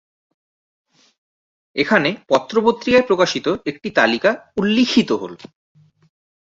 এখানে পত্রপত্রিকায় প্রকাশিত একটি তালিকা উল্লেখিত হল।